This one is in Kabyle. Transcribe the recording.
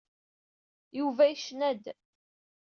Yuba yecna-d.